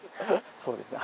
そうですね。